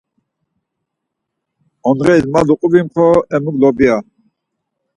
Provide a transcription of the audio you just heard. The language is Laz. Ondğes ma lu vimxor, hemuk lobya.